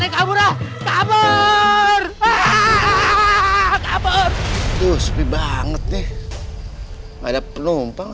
kaburlah kabur kabur tuh sepi banget nih ada penumpang